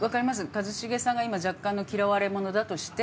一茂さんが今若干の嫌われ者だとして。